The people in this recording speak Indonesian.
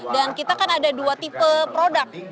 dan kita kan ada dua tipe produk